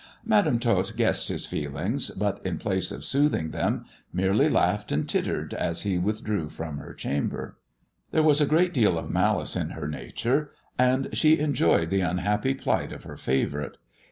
Madam Tot guessed his feelings, but in place of soothing them, merely laughed and tittered as he withdrew from her chamber. There was a great deal of malice in her nature, and she enjoyed the unhappy plight of her favourite.